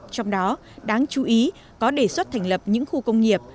trong đó đáng chú ý có đề xuất thành lập những khu công nghiệp